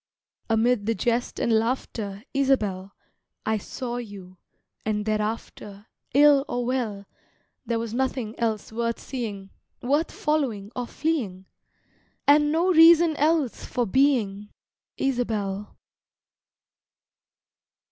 Amid the jest and laughter, Isabel, I saw you, and thereafter, Ill or well, There was nothing else worth seeing, Worth following or fleeing, And no reason else for being, Isabel.